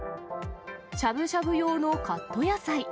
しゃぶしゃぶ用のカット野菜。